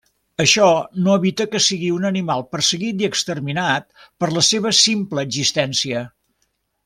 Això no evita que sigui un animal perseguit i exterminat per la seva simple existència.